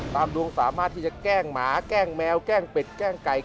ดวงสามารถที่จะแกล้งหมาแกล้งแมวแกล้งเป็ดแกล้งไก่